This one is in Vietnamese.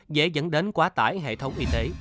dễ dẫn đến quá tải hệ thống y tế